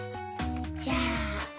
じゃあ。